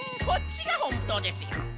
こっちがホントですよ！